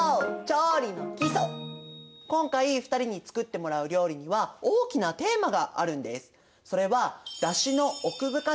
今回２人に作ってもらう料理には大きなテーマがあるんです。